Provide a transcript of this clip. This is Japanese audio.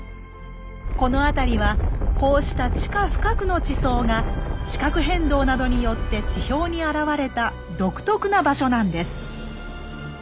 この辺りはこうした地下深くの地層が地殻変動などによって地表に現れた独特な場所なんです。